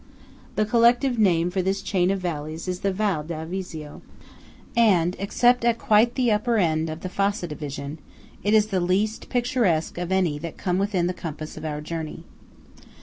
The collective name for this chain of valleys is the Val d'Avisio; and, except at quite the upper end of the Fassa division, it is the least picturesque of any that came within the compass of our journey.